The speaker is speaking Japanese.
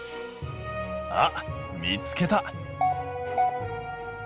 あっ見つけた！